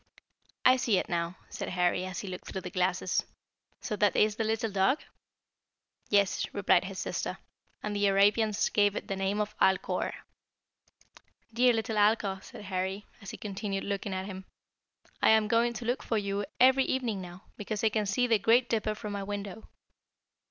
"I see it now," said Harry, as he looked through the glasses. "So that is the little dog?" "Yes," replied his sister; "and the Arabians gave it the name of Alcor." "Dear little Alcor," said Harry, as he continued looking at him, "I am going to look for you every evening now, because I can see the Great Dipper from my window."